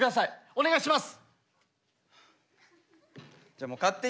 お願いします！